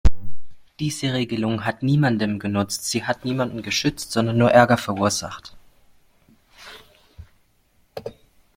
Diese Regelung hat niemandem genutzt, sie hat niemanden geschützt, sondern nur Ärger verursacht.